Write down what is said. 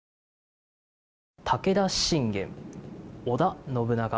武田信玄、織田信長